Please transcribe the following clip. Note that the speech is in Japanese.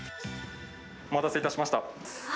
お待たせしました。